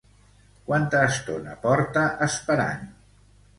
Quanta estona porta esperant?